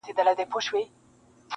له ازله یو قانون د حکومت دی-